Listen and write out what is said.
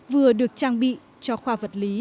vừa được trang bị cho khoa vật lý